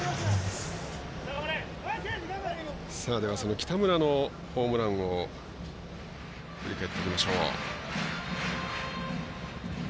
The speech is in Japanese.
北村のホームランを振り返ってみましょう。